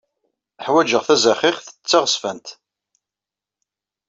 Ḥwajeɣ tazaxixt d taɣezfant.